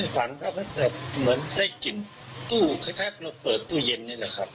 ฝันว่ามันจะเหมือนได้กลิ่นตู้คล้ายเราเปิดตู้เย็นนี่แหละครับ